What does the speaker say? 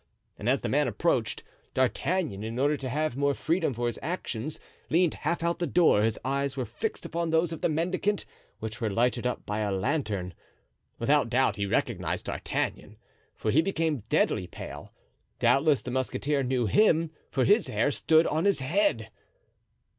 And as the man approached, D'Artagnan, in order to have more freedom for his actions, leaned half out of the door; his eyes were fixed upon those of the mendicant, which were lighted up by a lantern. Without doubt he recognized D'Artagnan, for he became deadly pale; doubtless the musketeer knew him, for his hair stood up on his head.